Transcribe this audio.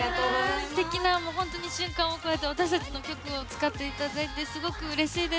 すてきな本当に瞬間をこうやって私たちの曲を使っていただいてすごくうれしいです。